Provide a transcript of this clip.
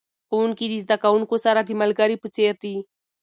ښوونکي د زده کوونکو سره د ملګري په څیر دي.